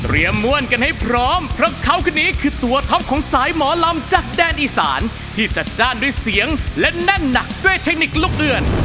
ม่วนกันให้พร้อมเพราะเขาคนนี้คือตัวท็อปของสายหมอลำจากแดนอีสานที่จัดจ้านด้วยเสียงและแน่นหนักด้วยเทคนิคลุกเดือน